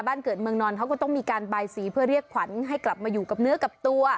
บ้านเกิดเมืองนอนเขาก็ต้องมีการบายสีเพื่อเรียกขวัญให้กลับมาอยู่กับเนื้อกับตัว